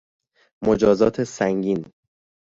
مجازات سنگین